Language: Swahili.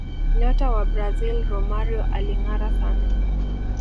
nyota wa brazil romario alingara sana